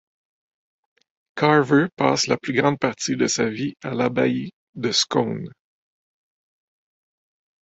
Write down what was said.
Carver passe la plus grande partie de sa vie à l'abbaye de Scone.